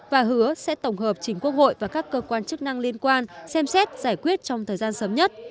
và hứa sẽ tổng hợp chính quốc hội và các cơ quan chức năng liên quan xem xét giải quyết trong thời gian sớm nhất